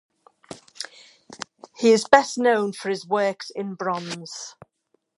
He is best known for his works in bronze.